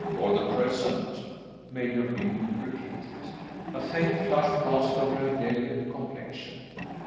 "For the present." Major Hynd repeated. A faint flush passed over her delicate complexion.